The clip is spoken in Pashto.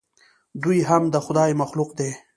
دوى هم د خداى مخلوق دي.